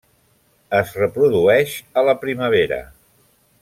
Es reprodueix a la primavera.